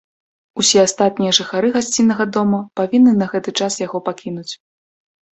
Усе астатнія жыхары гасціннага дома павінны на гэты час яго пакінуць.